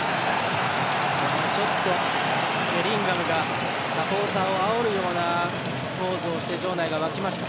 ちょっとベリンガムがサポーターをあおるようなポーズをして場内が沸きました。